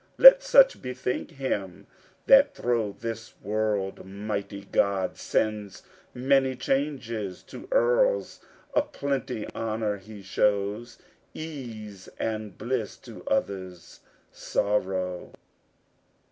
Let such bethink him that thro' this world mighty God sends many changes: to earls a plenty honor he shows, ease and bliss; to others, sorrow.